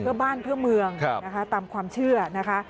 เพื่อบ้านเพื่อเมืองนะคะตามความเชื่อนะคะ